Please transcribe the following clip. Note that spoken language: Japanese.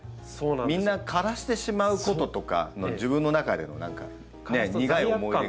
みんな枯らしてしまうこととか自分の中での何かね苦い思い出が。